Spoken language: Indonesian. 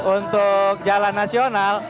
untuk jalan nasional